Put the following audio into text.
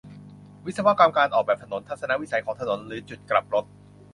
วิศวกรรมการออกแบบถนน ทัศนวิสัยของถนน หรือจุดกลับรถ